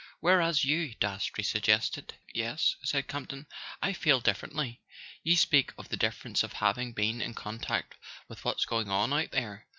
"Whereas you " Dastrey suggested. "Yes," said Campton. "I feel differently. You speak of the difference of having been in contact with what's going on out there.